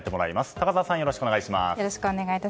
高沢さん、よろしくお願いします。